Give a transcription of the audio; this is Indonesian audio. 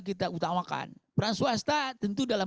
kita utamakan peran swasta tentu dalam